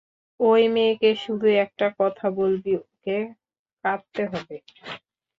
ওই মেয়েকে শুধু একটা কথা বলবি, ওকে কাঁদতে হবে।